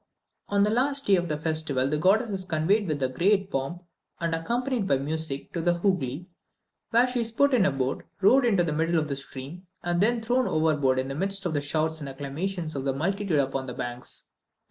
On the last day of the festival the goddess is conveyed with great pomp, and accompanied by music, to the Hoogly, where she is put in a boat, rowed into the middle of the stream, and then thrown overboard in the midst of the shouts and acclamations of the multitude upon the banks.